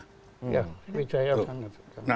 sejak sriwijaya sangat